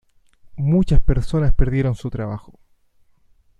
Muchas personas perdieron su trabajo.